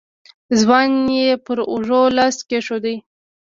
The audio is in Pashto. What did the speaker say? ځوان يې پر اوږه لاس کېښود.